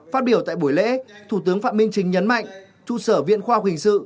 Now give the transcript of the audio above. phát biểu tại buổi lễ thủ tướng phạm minh chính nhấn mạnh trụ sở viện khoa học hình sự